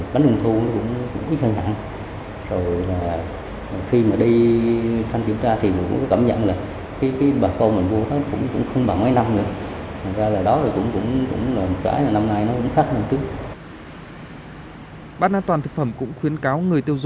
ban an toàn thực phẩm tp đà nẵng